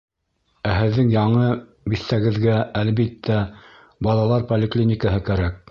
Ә һеҙҙең яңы биҫтәгеҙгә, әлбиттә, балалар поликлиникаһы кәрәк.